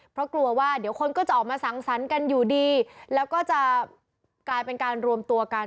เพราะกลัวว่าเดี๋ยวคนก็จะออกมาสังสรรค์กันอยู่ดีแล้วก็จะกลายเป็นการรวมตัวกัน